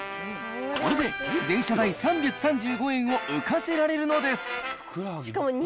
これで電車代３３５円を浮かせられるのです。